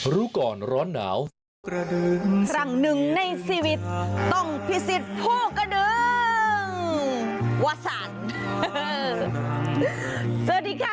รู้ก่อนร้อนหนาวครั้งหนึ่งในชีวิตต้องพิสิทธิ์ผู้กระดึ้งวัสดิค่ะ